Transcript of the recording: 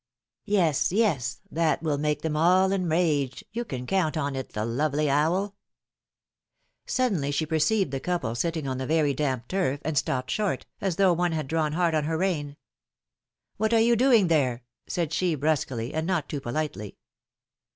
Tes, yes; that will make them all enraged, you can count on it ! the lovely owl !" PHILOMENE^S MAEEIAGES. 97 Suddenly she perceived the couple sitting on the very damp turf, and stopped short, as though one had drawn hard on her rein. '' What are you doing there ? said she, brusquely, and not too politely.